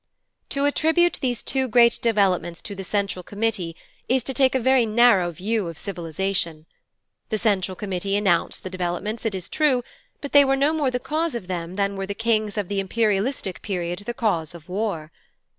To attribute these two great developments to the Central Committee, is to take a very narrow view of civilization. The Central Committee announced the developments, it is true, but they were no more the cause of them than were the kings of the imperialistic period the cause of war.